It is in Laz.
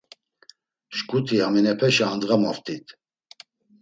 Şǩuti haminepeşa andğa moft̆it.